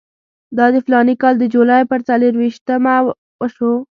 دا د فلاني کال د جولای پر څلېرویشتمه وشو.